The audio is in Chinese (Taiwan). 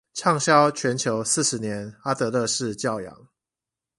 暢銷全球四十年阿德勒式教養